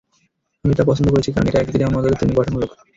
আমি এটা পছন্দ করেছি কারণ এটা একদিকে যেমন মজাদার, তেমনি গঠনমূলক।